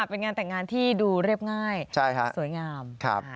เป็นงานแต่งงานที่ดูเรียบง่ายสวยงาม